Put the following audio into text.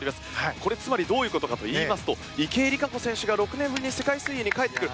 これ、つまりどういうことかと言いますと池江璃花子選手が６年ぶりに世界水泳に帰ってくる。